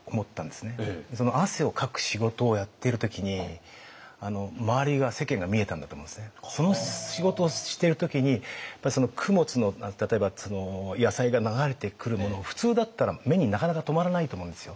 その汗をかく仕事をやっている時にその仕事をしている時に供物の例えば野菜が流れてくるものを普通だったら目になかなか留まらないと思うんですよ。